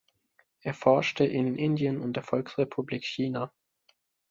Er forschte in Indien und der Volksrepublik China.